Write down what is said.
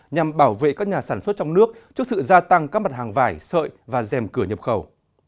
nhằm bảo vệ các nhà sản xuất trong nước trước sự gia tăng các mặt hàng vải sợi và dèm cửa nhập khẩu